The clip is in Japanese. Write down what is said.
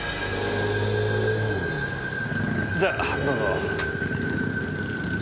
じゃどうぞ。